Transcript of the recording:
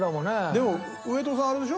でも上戸さんあれでしょ？